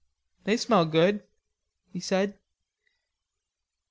"They smell good," he said.